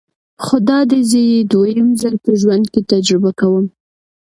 خو دادی زه یې دویم ځل په ژوند کې تجربه کوم.